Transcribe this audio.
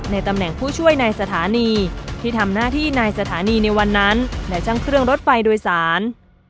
ตำแหน่งผู้ช่วยในสถานีที่ทำหน้าที่ในสถานีในวันนั้นและช่างเครื่องรถไฟโดยสาร